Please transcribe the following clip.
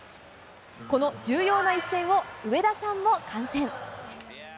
この重要な一戦を上田さんも観戦。